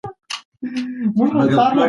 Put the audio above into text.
آیا ملا بانګ به سبا هم د دې غږ په تمه وي؟